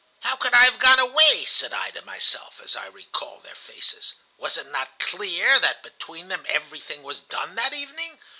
"'How could I have gone away?' said I to myself, as I recalled their faces. 'Was it not clear that between them everything was done that evening?